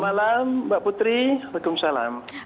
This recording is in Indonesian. selamat malam mbak putri waalaikumsalam